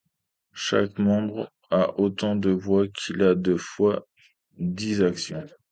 Chaque membre a autant de voix qu'il a de fois dix actions.